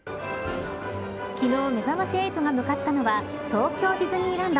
昨日、めざまし８が向かったのは東京ディズニーランド。